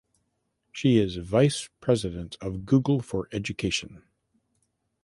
She is vice president of Google for Education.